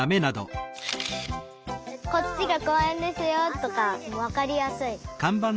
「こっちがこうえんですよ」とかわかりやすい。